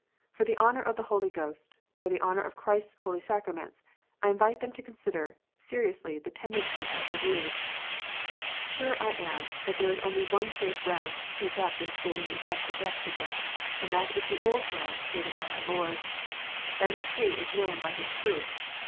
For the honour of the Holy Ghost, for the honour of Christ s holy sacraments, I invite them to consider seriously the tendency of their views. Sure am I that there is only one safe ground to take up in stating the effects of baptism, and that is the old ground stated by our Lord :" Every tree is known by his own fruit."